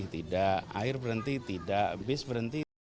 tidak air berhenti tidak bis berhenti